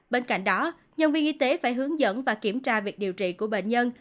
bên cạnh đó nhân viên y tế phải hướng dẫn và kiểm tra việc điều trị của bệnh nhân